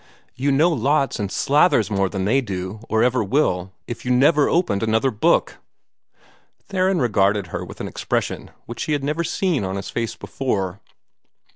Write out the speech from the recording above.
You know lots and slathers more than THEY do now, or ever will, if you never opened another book." Theron regarded her with an expression which she had never seen on his face before.